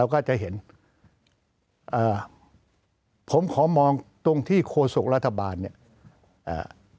เราก็จะเห็นผมขอมองตรงที่โครสุรรัฐบาลเนี่ยอ่า